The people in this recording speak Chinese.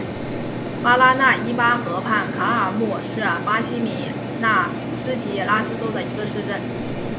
巴拉那伊巴河畔卡尔穆是巴西米纳斯吉拉斯州的一个市镇。